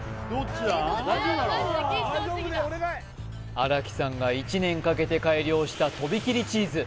荒木さんが１年かけて改良したとびきりチーズ